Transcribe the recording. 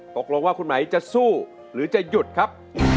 ตกลงว่าคุณไหมจะสู้หรือจะหยุดครับ